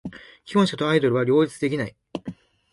既婚者とアイドルは両立できない。